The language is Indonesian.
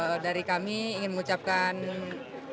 ya dari kami ingin mengucapkan selamat dan bahagia selalu